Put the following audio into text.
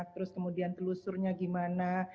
terus kemudian telusurnya gimana